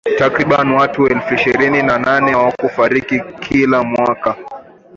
Takribani watu elfu ishirini na nane hufariki kila mwaka